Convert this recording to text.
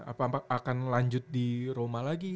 apa akan lanjut di roma lagi